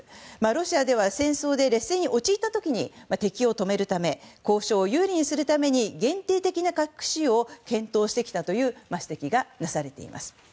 ロシアでは戦争で劣勢に陥った時敵を止めるため交渉を有利にするために限定的な核使用を検討してきたという指摘がなされています。